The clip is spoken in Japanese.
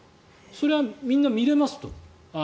それはみんな見れますと。